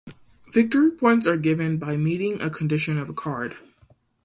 Victory points are given by meeting a condition of a card.